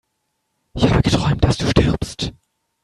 Ich habe geträumt, dass du stirbst